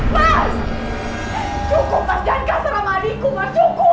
mas mas cukup mas jangan kasar sama adikku mas cukup